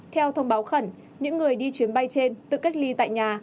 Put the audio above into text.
theo thông báo khẩn những người đi chuyến bay trên tự cách ly tại nhà